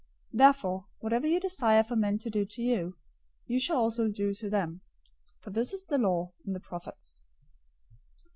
007:012 Therefore whatever you desire for men to do to you, you shall also do to them; for this is the law and the prophets.